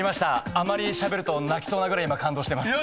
あまりしゃべると泣きそうなぐらい感動してます。